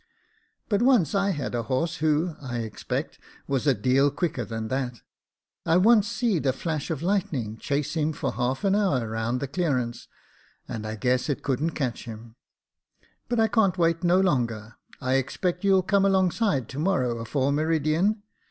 ^ But I once had a horse, who, I expect, was a deal quicker than that. I once seed a flash of lightning chase him for half an hour round the clearance, and I guess it couldn't catch him. But I can't wait no longer. I expect you'll come alongside to morrow afore meridian."